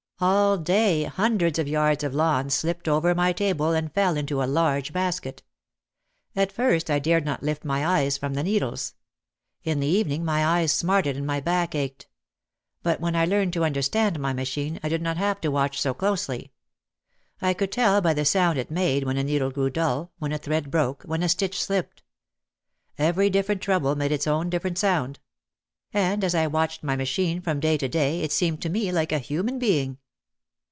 All day hundreds of yards of lawn slipped over my table and fell into a large basket. At first I dared not lift my eyes from the needles. In the evening my eyes smarted and my back ached. But when I learned to understand my machine I did not have to watch so closely. I could tell by the sound it made when a needle grew dull, when a thread broke, when a stitch slipped. Every different trouble made its own different sound. And as I watched my ma chine from day. to day it seemed to me like a human being.